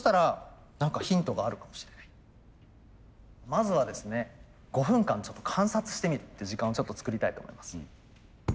まずはですね５分間ちょっと観察してみるって時間をちょっと作りたいと思います。